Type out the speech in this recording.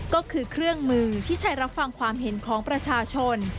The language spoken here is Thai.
ก็คือเครื่องมือที่ใช้รับฟังความเห็นของประชาชน